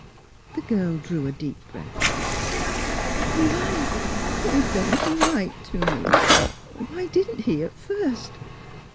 The girl drew a deep breath. '' Then, why — why doesn't he write to me? Why didn't he — at first?